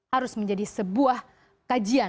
harus menjadi sebuah kajian